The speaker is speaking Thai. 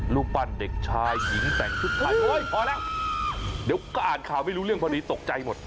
รูปปั้นเด็กชายหญิงแต่งชุดไทยโอ๊ยพอแล้วเดี๋ยวก็อ่านข่าวไม่รู้เรื่องพอดีตกใจหมด